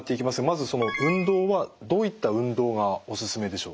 まず運動はどういった運動がおすすめでしょう？